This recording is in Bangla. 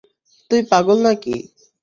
তুই পাগল নাকি?